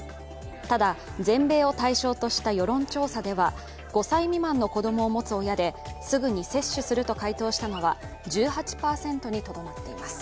ただ全米を対象とした世論調査では、５歳未満の子供を持つ親ですぐに接種すると回答したのは１８％にとどまっています。